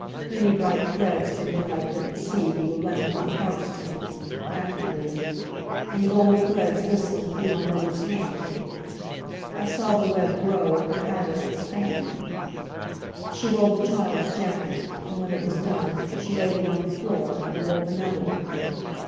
Many bright threads, From where I couldn't see, Were running through the harp strings Rapidly, And gold threads whistling Through my mother's hand. I saw the web grow, And the pattern expand. She wove a child's jacket, And when it was done She laid it on the floor And wove another one.